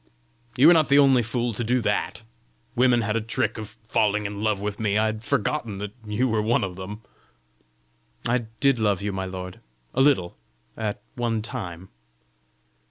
"You were not the only fool to do that! Women had a trick of falling in love with me: I had forgotten that you were one of them!" "I did love you, my lord a little at one time!"